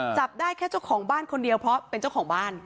จับได้แค่เจ้าของบ้านคนเดียวเพราะเป็นเจ้าของบ้าน